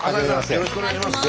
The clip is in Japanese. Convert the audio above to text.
よろしくお願いします。